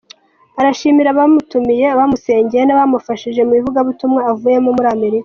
Arashimira abamutumiye, abamusengeye n’abamufashije mu ivugabutumwa avuyemo muri Amerika.